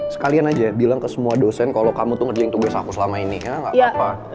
sekalian aja bilang ke semua dosen kalau kamu tuh ngerjain tugas aku selama ini ya gak apa apa